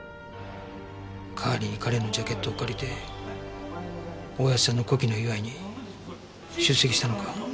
代わりに彼のジャケットを借りて親父さんの古希の祝いに出席したのか？